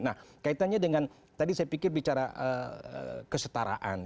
nah kaitannya dengan tadi saya pikir bicara kesetaraan